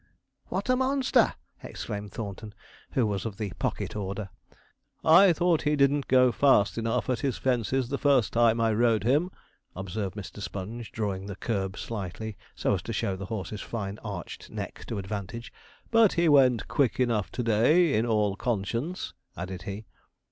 'What a monster!' exclaimed Thornton, who was of the pocket order. 'I thought he didn't go fast enough at his fences the first time I rode him,' observed Mr. Sponge, drawing the curb slightly so as to show the horse's fine arched neck to advantage; 'but he went quick enough to day, in all conscience,' added he.